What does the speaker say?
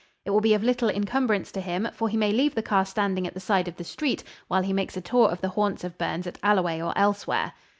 It will be of little encumbrance to him, for he may leave the car standing at the side of the street while he makes a tour of the haunts of Burns at Alloway or elsewhere.